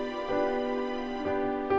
dan sekeping memilih untuk hidup